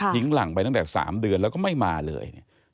หลังไปตั้งแต่๓เดือนแล้วก็ไม่มาเลย